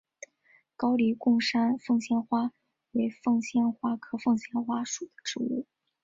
高黎贡山凤仙花为凤仙花科凤仙花属的植物。